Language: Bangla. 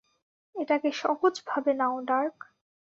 এটাকে সহজ ভাবে নাও, ডার্ক।